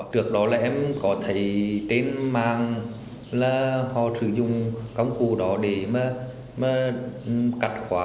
trước đó là em có thấy trên mạng là họ sử dụng công cụ đó để mà cắt khóa